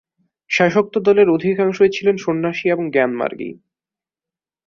শেষোক্ত দলের অধিকাংশই ছিলেন সন্ন্যাসী এবং জ্ঞানমার্গী।